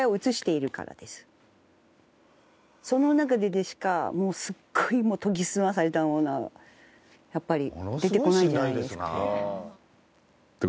その中ででしかもうすごい研ぎ澄まされたものはやっぱり出てこないじゃないですか。